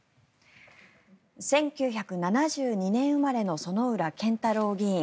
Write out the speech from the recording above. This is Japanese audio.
１９７２年生まれの薗浦健太郎議員。